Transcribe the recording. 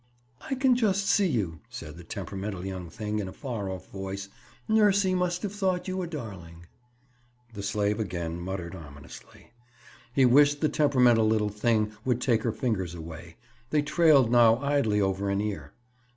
"I can just see you," said the temperamental young thing in a far off voice. "Nursie must have thought you a darling." The slave again muttered ominously. He wished the temperamental little thing would take her fingers away. They trailed now idly over an ear.